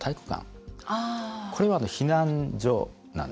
これは避難所なんですね。